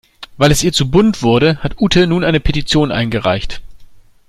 Weil es ihr zu bunt wurde, hat Ute nun eine Petition eingereicht.